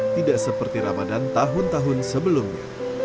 tidak seperti ramadan tahun tahun sebelumnya